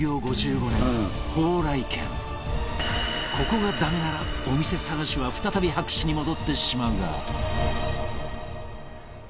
ここがダメならお店探しは再び白紙に戻ってしまうが